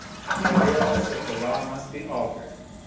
He realised that the law must be altered.